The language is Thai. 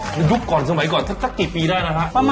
หยุดก่อนสมัยก่อนตั้งกี่ปีได้นะครับ